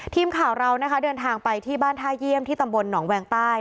ทีมข่าวเรานะคะเดินทางไปที่บ้านท่าเยี่ยมที่ตำบลหนองแวงใต้